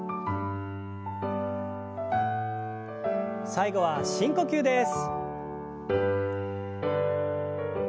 最後は深呼吸です。